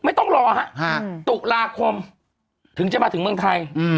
ต้องรอฮะตุลาคมถึงจะมาถึงเมืองไทย